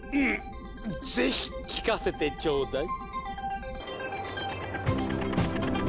ぜひ聴かせてちょうだい。